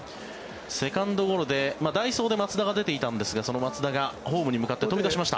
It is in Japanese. セカンドゴロで代走で松田が出ていたんですがその松田がホームに向かって飛び出しました。